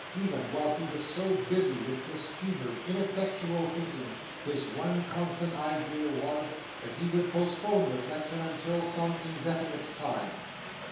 Even while he was so busy with this fevered, ineffectual thinking, his one constant idea was, that he would postpone reflection until some indefinite time.